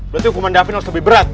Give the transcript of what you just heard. berarti hukuman david harus lebih berat